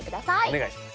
お願いします。